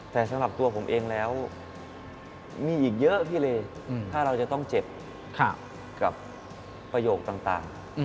แต่สำหรับตัวผมเองแล้วมีอีกเยอะพี่เลถ้าเราจะต้องเจ็บกับประโยคต่าง